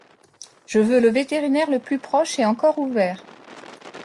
Je veux le vétérinaire le plus proche et encore ouvert.